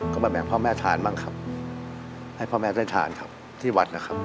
ก็มาแบ่งพ่อแม่ทานบ้างครับให้พ่อแม่ได้ทานครับที่วัดนะครับ